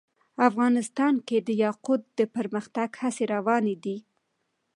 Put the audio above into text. افغانستان کې د یاقوت د پرمختګ هڅې روانې دي.